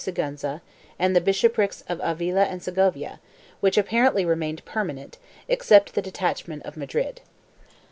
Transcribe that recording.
554 APPENDIX Sigiienza and the bishoprics of Avila and Segovia, which apparently remained permanent, except the detachment of Madrid.